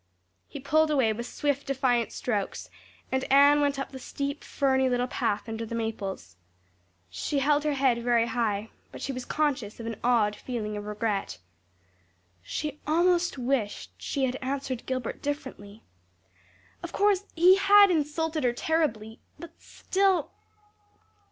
He pulled away with swift defiant strokes, and Anne went up the steep, ferny little path under the maples. She held her head very high, but she was conscious of an odd feeling of regret. She almost wished she had answered Gilbert differently. Of course, he had insulted her terribly, but still